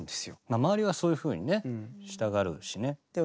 周りはそういうふうにねしたがるしね。